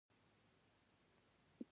دا ځای د آرام احساس راکوي.